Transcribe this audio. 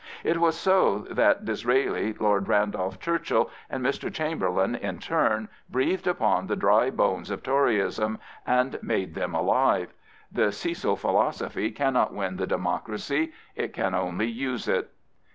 It was so that Disraeli, Lord Randolph Churchill, and Mr. Chamber lain in turn breathed upon the dry bones of Toryism and made them live. The Cecil philosophy cannot win the democracy: it can only use it.